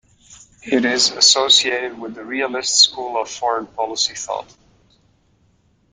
It is associated with the realist school of foreign policy thought.